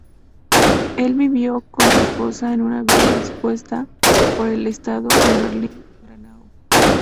El vivió con su esposa en una villa dispuesta por el Estado en Berlín-Grünau.